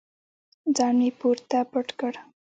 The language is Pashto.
ځان مې پوره پټ کړ.